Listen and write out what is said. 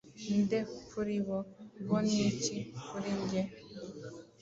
nde kuri bo? Bo ni iki kuri ge?